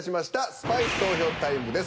スパイ投票タイムです。